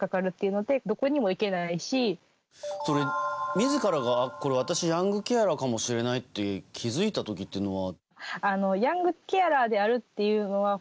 自らが、これ私ヤングケアラーかもしれないって気づいた時っていうのは？